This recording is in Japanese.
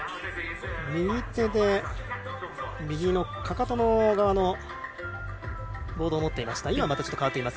右手で右のかかと側のボードを持っていました。